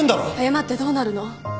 謝ってどうなるの？